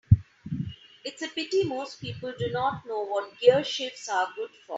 It's a pity most people do not know what gearshifts are good for.